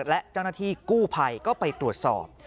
และเจ้าหน้าที่กู้ภัยก็ไปตรวจสอบ